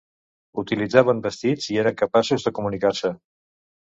Utilitzaven vestits i eren capaços de comunicar-se.